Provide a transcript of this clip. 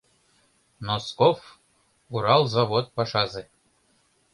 Носков — Урал завод пашазе.